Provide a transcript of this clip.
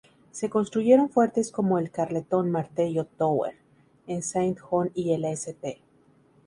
Se construyeron fuertes como el "Carleton Martello Tower" en Saint John y el "St.